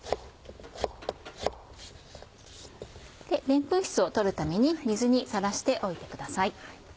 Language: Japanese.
でんぷん質を取るために水にさらしておいてください。